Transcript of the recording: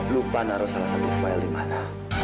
lupa naruh salah satu file di mana